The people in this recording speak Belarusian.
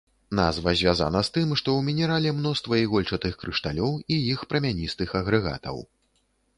Назва звязана з тым, што ў мінерале мноства ігольчастых крышталёў і іх прамяністых агрэгатаў.